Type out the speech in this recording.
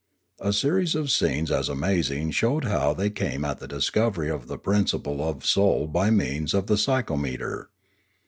A series of scenes as amazing showed how they came at the discovery of the principle of soul by means of the psy chometer.